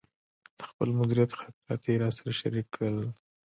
د خپل مدیریت خاطرات یې راسره شریک کړل.